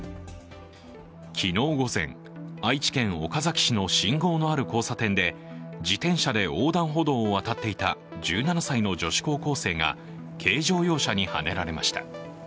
昨日午前、愛知県岡崎市の信号のある交差点で自転車で横断歩道を渡っていた１７歳の女子高校生が軽乗用車にはねられました。